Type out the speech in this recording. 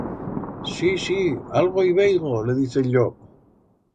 Sí, sí, algo i veigo!, le diz el llop.